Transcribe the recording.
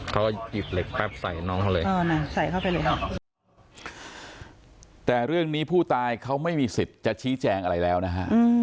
เขาก็หยิบเหล็กแป๊บใส่น้องเขาเลย